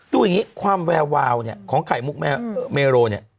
ดูอย่างนี้ความแวววาวเนี่ยของไข่มุกเมโรเนี่ย